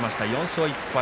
４勝１敗。